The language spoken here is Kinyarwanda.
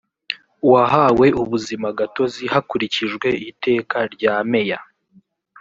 wahawe ubuzima gatozi hakurikijwe iteka rya meya